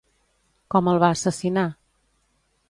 Com el va assassinar?